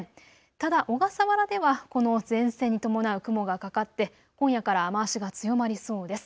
ただ小笠原ではこの前線に伴う雲がかかって今夜から雨足が強まりそうです。